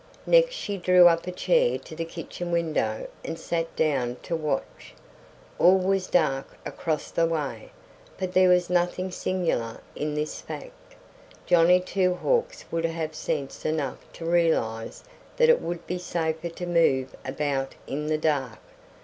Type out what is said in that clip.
Next she drew up a chair to the kitchen window and sat down to watch. All was dark across the way. But there was nothing singular in this fact. Johnny Two Hawks would have sense enough to realize that it would be safer to move about in the dark.